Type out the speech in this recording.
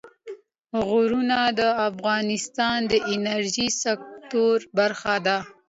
غرونه د افغانستان د انرژۍ سکتور برخه ده.